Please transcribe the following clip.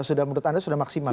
sudah menurut anda sudah maksimal